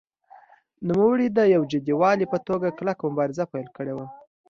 نوموړي د یو جدي والي په توګه کلکه مبارزه پیل کړې وه.